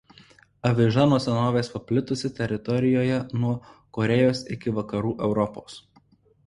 Aviža nuo senovės paplitusi teritorijoje nuo Korėjos iki Vakarų Europos.